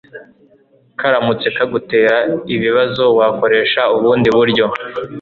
karamutse kagutera ibibazo wakoresha ubundi buryo